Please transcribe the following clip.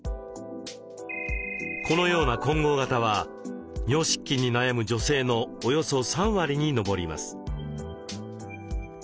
このような混合型は尿失禁に悩む女性のおよそ３割に上ります。